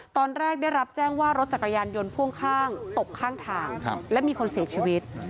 ตอนแรกได้รับแจ้งว่ารถจักรยานยนต์พ่วงข้างตกข้างทางและมีคนเสียชีวิต